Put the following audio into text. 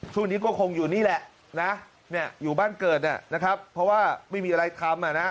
ช่วงนี้ก็คงอยู่นี่แหละนะอยู่บ้านเกิดนะครับเพราะว่าไม่มีอะไรทำนะ